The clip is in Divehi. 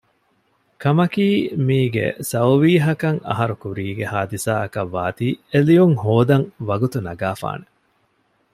ކަމަކީ މީގެ ސައުވީހަކަށް އަހަރުކުރީގެ ހާދިސާއަކަށް ވާތީ އެލިޔުން ހޯދަން ވަގުތު ނަގާފާނެ